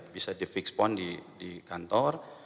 bisa di fixpond di kantor